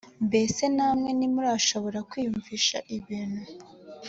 mbese namwe ntimurashobora kwiyumvisha ibintu